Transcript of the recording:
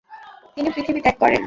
তিনি পৃথিবী ত্যাগ করেন।